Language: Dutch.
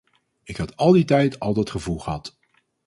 Ik had al die tijd al dat gevoel gehad.